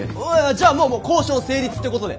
じゃあもう交渉成立ってことで！